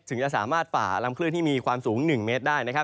ถึงจะสามารถฝ่าลำคลื่นที่มีความสูง๑เมตรได้